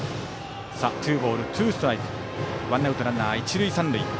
ツーボール、ツーストライクワンアウトランナー、一塁三塁。